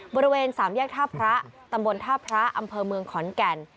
บริเวณสามแยกท่าพระตำบลท่าพระอำเภอเมืองขอนแก่น